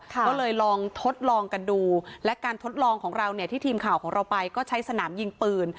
ก็เลยลองทดลองกันดูและการทดลองของเราเนี่ยที่ทีมข่าวของเราไปก็ใช้สนามยิงปืน